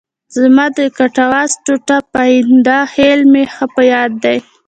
زموږ د کټواز ټوټ پاینده خېل مې ښه په یاد دی.